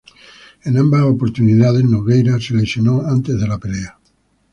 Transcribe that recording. En ambas oportunidades Nogueira se lesionó antes de la pelea.